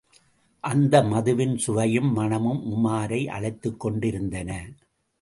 அந்த மதுவின் சுவையும் மணமும் உமாரை அழைத்துக் கொண்டிருந்தன.